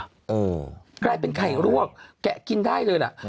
เออกลายเป็นไข่รวกแกะกินได้เลยล่ะ